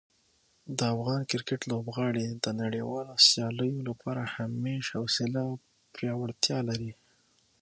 د افغان کرکټ لوبغاړي د نړیوالو سیالیو لپاره همیش حوصله او پیاوړتیا لري.